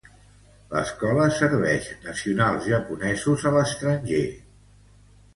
L'escola serveix nacionals japonesos a l'estranger.